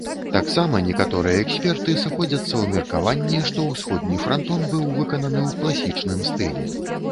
Таксама некаторыя эксперты сыходзяцца ў меркаванні, што ўсходні франтон быў выкананы ў класічным стылі.